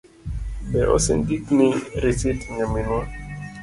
Be osendikni risit nyaminwa?